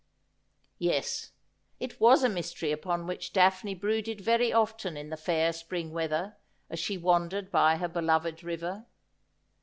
Yes; it was a mystery upon which Daphne brooded very often in the fair spring weather, as she wandered by her beloved river.